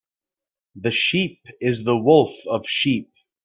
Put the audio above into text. The sheep is the wolf of sheep.